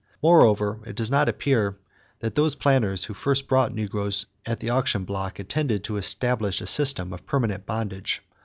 Moreover it does not appear that those planters who first bought negroes at the auction block intended to establish a system of permanent bondage.